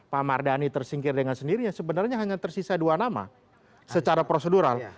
pak mardani tersingkir dengan sendirinya sebenarnya hanya tersisa dua nama secara prosedural